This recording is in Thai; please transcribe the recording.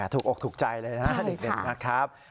ถูกอกถูกใจเลยนะเด็กนะครับ